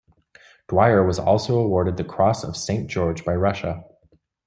Dwyer was also awarded the Cross of Saint George by Russia.